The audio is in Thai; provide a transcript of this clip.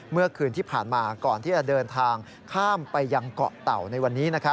เมื่อคืนที่ผ่านมาก่อนที่จะเดินทางข้ามไปยังเกาะเต่าในวันนี้